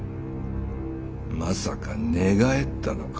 まさか寝返ったのか？